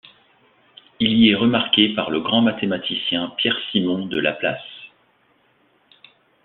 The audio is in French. Il y est remarqué par le grand mathématicien Pierre-Simon de Laplace.